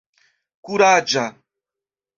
kuraĝa